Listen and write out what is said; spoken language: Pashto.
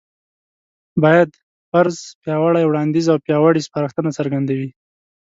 بايد: فرض، پياوړی وړانديځ او پياوړې سپارښتنه څرګندوي